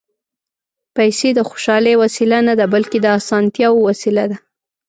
پېسې د خوشالۍ وسیله نه ده، بلکې د اسانتیا وسیله ده.